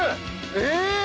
えっ！